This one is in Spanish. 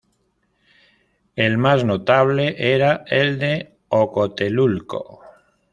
El más notable era el de Ocotelulco.